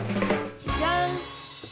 じゃん！